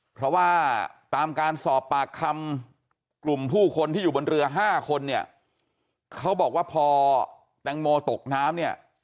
เพราะว่าตามการสอบปากคำกลุ่มผู้คนที่อยู่บนเรือ๕คนเนี่ยเขาบอกว่าพอแตงโมตกน้ำเนี่ย